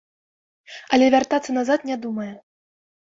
Але вяртацца назад не думае.